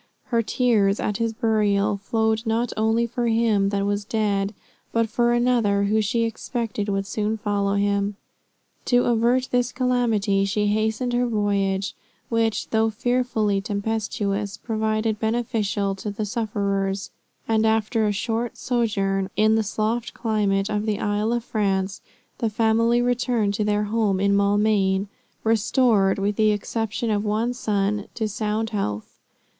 Her tears at his burial flowed not only for him that was dead, but for another who she expected would soon follow him. To avert this calamity she hastened her voyage, which though fearfully tempestuous, proved beneficial to the sufferers, and after a short sojourn in the soft climate of the Isle of France, the family returned to their home in Maulmain, restored, with the exception of one son, to sound health.